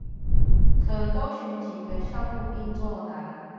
可勾選幾個項目並作答